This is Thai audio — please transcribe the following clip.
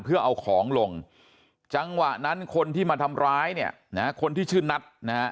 เพื่อเอาของลงจังหวะนั้นคนที่มาทำร้ายเนี่ยนะฮะคนที่ชื่อนัทนะฮะ